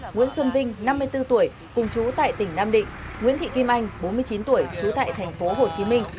nguyễn xuân vinh năm mươi bốn tuổi cùng chú tại tỉnh nam định nguyễn thị kim anh bốn mươi chín tuổi trú tại thành phố hồ chí minh